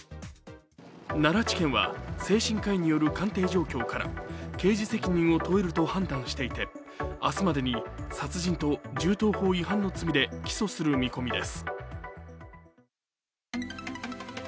奈良地検は精神科医による鑑定状況から刑事責任を問えると判断していて明日までに殺人と銃刀法違反の罪で起訴する見込みです。